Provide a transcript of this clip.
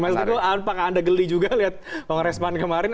mas teguh apakah anda geli juga lihat kongres pan kemarin